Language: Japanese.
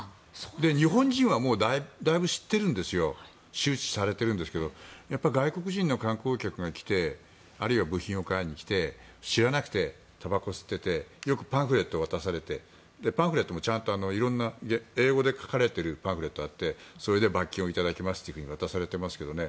日本人はだいぶ知っているんです周知されているんですが外国人の観光客が来てあるいは部品を買いに来て知らなくて、たばこを吸っていてよくパンフレットを渡されてパンフレットもちゃんと色んな英語で書かれているパンフレットがあってそれで罰金を頂きますと渡されていますけどね。